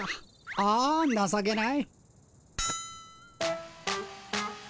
ああなさけない。